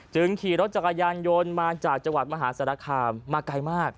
ขี่รถจักรยานยนต์มาจากจังหวัดมหาสารคามมาไกลมาก